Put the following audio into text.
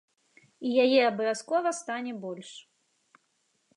І яе абавязкова стане больш!